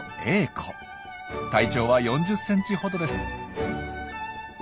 体長は４０ｃｍほどです。